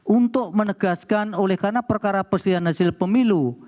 untuk menegaskan oleh karena perkara perselihan hasil pemilu